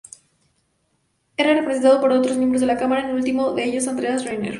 Era representado por otros miembros de la cámara, el último de ellos Andreas Renner.